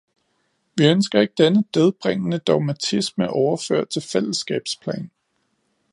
Vi ønsker ikke denne dødbringende dogmatisme overført til fællesskabsplan.